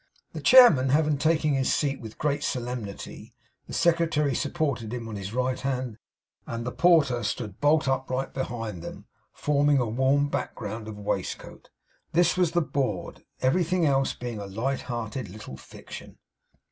The chairman having taken his seat with great solemnity, the secretary supported him on his right hand, and the porter stood bolt upright behind them, forming a warm background of waistcoat. This was the board: everything else being a light hearted little fiction.